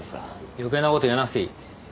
余計なこと言わなくていい。